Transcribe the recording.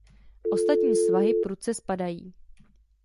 Ostatní svahy prudce spadají.